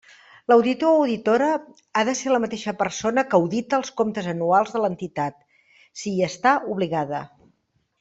L'auditor o auditora ha de ser la mateixa persona que audita els comptes anuals de l'entitat, si hi està obligada.